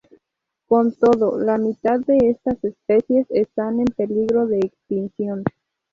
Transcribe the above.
Con todo, la mitad de estas especies están en peligro de extinción.